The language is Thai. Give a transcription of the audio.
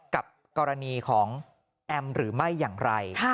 กับกรณีของแอมหรือไม่อย่างไร